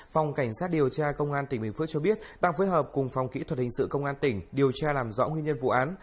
phòng cảnh sát điều tra công an tỉnh bình phước cho biết đang phối hợp cùng phòng kỹ thuật hình sự công an tỉnh điều tra làm rõ nguyên nhân vụ án